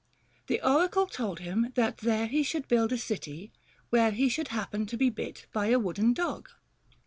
The oracle told him that there he should build a city, where he should happen to be bit by a wooden dog.